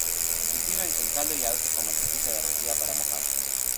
Se sirven con caldo y a veces con mantequilla derretida para mojar.